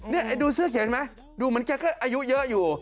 นี่ดูเสื้อเขียนไหมดูเหมือนแกก็อายุเยอะอยู่